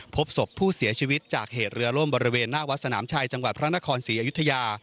พบศพผู้เสียชีวิตจากเหศจนแรมเคยบริเวณนาวัฒนามชายจังหวัดพระนครศรีอยุธยา